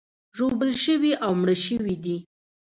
ژوبل شوي او مړه شوي دي.